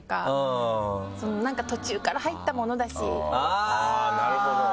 あぁなるほど。